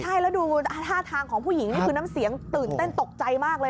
ใช่แล้วดูท่าทางของผู้หญิงนี่คือน้ำเสียงตื่นเต้นตกใจมากเลย